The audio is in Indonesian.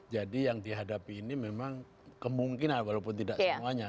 jadi yang dihadapi ini memang kemungkinan walaupun tidak semuanya